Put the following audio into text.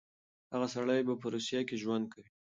هغه سړی به په روسيه کې ژوند کوي.